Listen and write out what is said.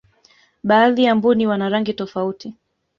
baadhi ya mbuni wana rangi tofauti